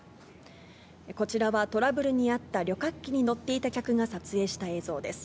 こちらはトラブルに遭った旅客機に乗っていた客が撮影した映像です。